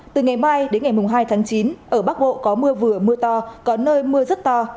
từ ngày mai đến ngày hai tháng chín ở bắc bộ có mưa vừa mưa to có nơi mưa rất to